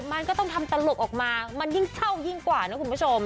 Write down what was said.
มันก็ต้องทำตลกออกมามันยิ่งเช่ายิ่งกว่านะคุณผู้ชม